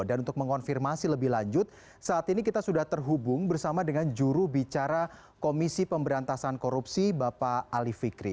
untuk mengonfirmasi lebih lanjut saat ini kita sudah terhubung bersama dengan juru bicara komisi pemberantasan korupsi bapak ali fikri